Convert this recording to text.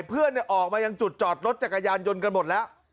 เพื่อนออกมายังจุดจอดรถจักรยานยนต์กันหมดแล้ว